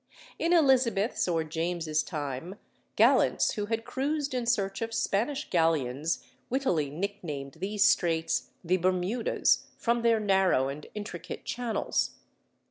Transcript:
In Elizabeth's or James's time, gallants who had cruised in search of Spanish galleons wittily nicknamed these Straits "the Bermudas," from their narrow and intricate channels.